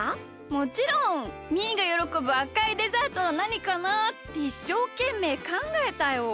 もちろん！みーがよろこぶあかいデザートはなにかなあ？っていっしょうけんめいかんがえたよ。